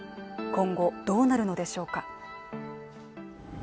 今後どうなるのでしょうか？